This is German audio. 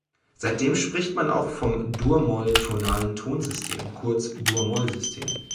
Seitdem spricht man auch vom dur-moll-tonalen Tonsystem, kurz Dur-Moll-System.